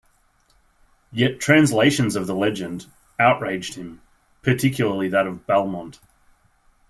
Yet translations of the legend... outraged him, particularly that of Balmont.